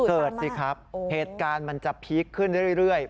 สิครับเหตุการณ์มันจะพีคขึ้นเรื่อย